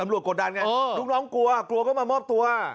ตำรวจกดดันไงลูกน้องกลัวกลัวก็มามอบตัว